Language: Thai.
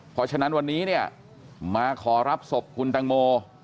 เพราะฉะนั้นวันนี้เนี่ยมาขอรับศพคุณตังโม